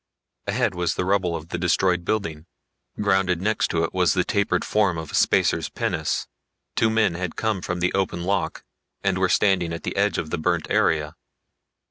Ahead was the rubble of the destroyed building. Grounded next to it was the tapered form of a spacer's pinnace. Two men had come from the open lock and were standing at the edge of the burnt area.